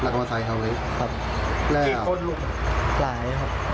ของเขาตาย